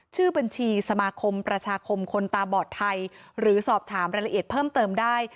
ชื่อบัญชีสมาคมประชาคมคนตาบอดไทยหรือสอบถามรายละเอียดเพิ่มเติมได้